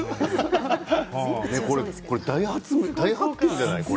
大発見じゃない？